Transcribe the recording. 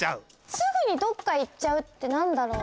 すぐにどっかいっちゃうってなんだろう？